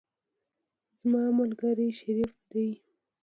زما ملګری شریف دی.